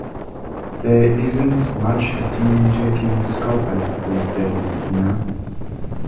There isn't much a teenager can scoff at these days, you know.